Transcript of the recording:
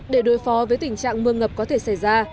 để đối phó với tình trạng mưa ngập có thể xảy ra